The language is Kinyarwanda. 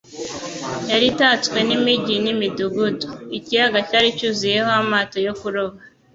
yari itatswe n'imigi n'imidugudu. Ikiyaga cyari cyuzuyeho amato yo kuroba.